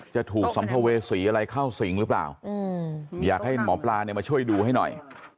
จะถูกสัมภเวษีอะไรเข้าสิงหรือเปล่าอยากให้หมอปลาเนี่ยมาช่วยดูให้หน่อย